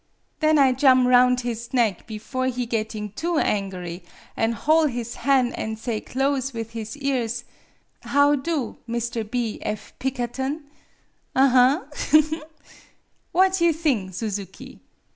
Then I jump roun' his neck bifore he gitting too angery, an' hole his han', an' say, close with his ears: ' How do, Mr. B. F. Pikkerton ?' Aha, ha, ha! What you thing, Suzuki